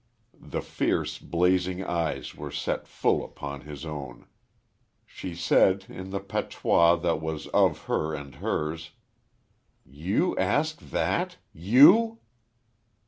The fierce, blazing eyes were set full upon his own. She said, in the patois that was of her and hers: "You ask that? ... You?"